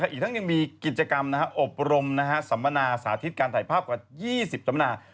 อีกทั้งยังมีกิจกรรมอบรมสัมมนาสาธิตการถ่ายภาพกว่า๒๐สัมมนา